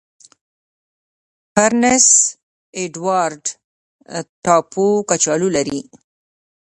پرنس اډوارډ ټاپو کچالو لري.